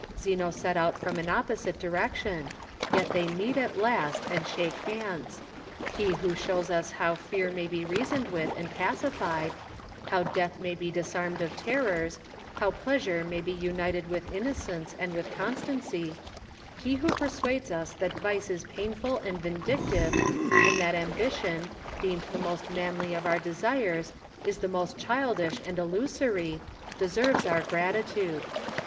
Zeno set out from an opposite direction, yet they meet at last and shake hands. He who shows us how Fear may be reasoned with and pacified, how Death may be dis armed of terrors, how Pleasure may be united with Inno cence and with Constancy ; he who persuades us that "Vice is painful and vindictive, and that Ambition, deemed the most manly of our desire.s, is the most childish and illusory — deserves our gratitude.